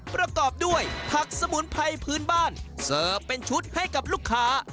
ประกอบด้วยผักสมุนไพรพื้นบ้านเสิร์ฟเป็นชุดให้กับลูกค้า